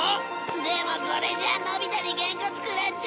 でもこれじゃあのび太にげんこつ食らっちゃうよ！